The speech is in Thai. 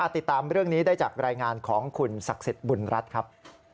ติดตามเรื่องนี้ได้จากรายงานของคุณศักดิ์สิทธิ์บุญรัฐครับ